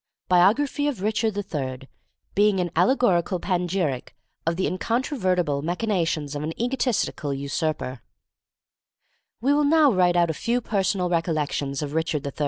BIOGRAPHY OF RICHARD III.: BEING AN ALLEGORICAL PANEGYRIC OF THE INCONTROVERTIBLE MACHINATIONS OF AN EGOTISTICAL USURPER. [Illustration: RICHARD III.] We will now write out a few personal recollections of Richard III.